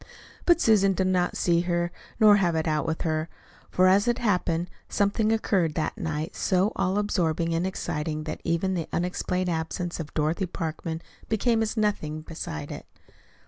But Susan did not see her nor have it out with her; for, as it happened, something occurred that night so all absorbing and exciting that even the unexplained absence of Dorothy Parkman became as nothing beside it.